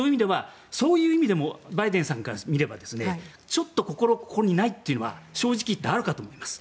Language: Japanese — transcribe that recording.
そういう意味でもバイデンさんから見ればちょっと心ここにないというのは正直言ってあると思います。